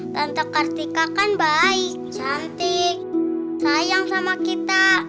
tante kartika kan baik cantik sayang sama kita